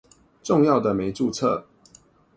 重要的沒註冊